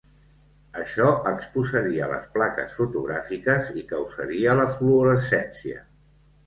Això exposaria les plaques fotogràfiques i causaria la fluorescència.